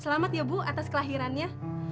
selamat ya bu atas kelahirannya